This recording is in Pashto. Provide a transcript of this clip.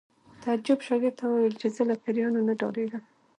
تعجب شاګرد ته وویل چې زه له پیریانو نه ډارېږم